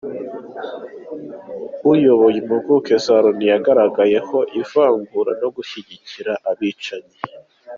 Uyoboye Impuguke za Loni yagaragaweho ivangura no gushyigikira Abicanyi